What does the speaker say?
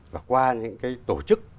và qua những cái tổ chức